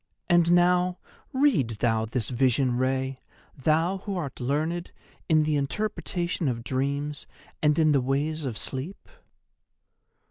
And now read thou this vision, Rei, thou who art learned in the interpretation of dreams and in the ways of sleep.